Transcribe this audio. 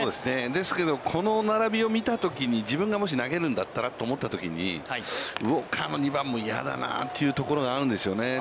ですけれども、この並びを見たときに、自分がもし投げるんだったらと思ったときに、ウォーカーの２番も嫌だなというところがあるんですよね。